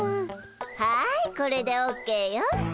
はいこれでオーケーよ。